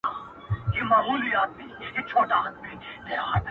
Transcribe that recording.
تا پر اوږده ږيره شراب په خرمستۍ توی کړل-